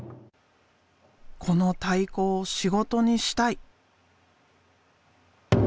「この太鼓を仕事にしたい」。